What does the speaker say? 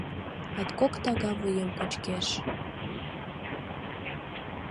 Латкок тага вуем кочкеш.